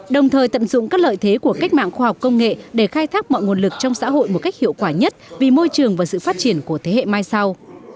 đồng thời tận dụng các lợi thế của cách mạng khoa học công nghệ để khai thác mọi nguồn lực trong xã hội một cách hiệu quả nhất vì môi trường và sự phát triển của thế hệ mai sau